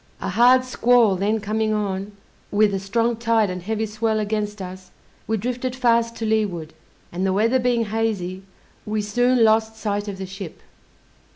A hard squall then coming on, with a strong tide and heavy swell against us, we drifted fast to leeward, and the weather being hazy, we soon lost sight of the ship.